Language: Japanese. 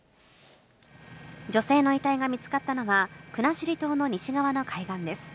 女性の遺体が見つかったのは、国後島の西側の海岸です。